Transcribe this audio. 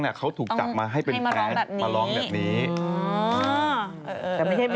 แต่เขาจะช้าไม่ค่อยเห็นเพลงเร็ว